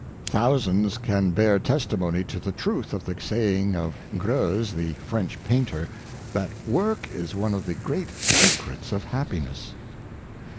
Thousands can bear testimony to the truth of the saying of Greuze, the French painter, that work is one of the great secrets of happiness.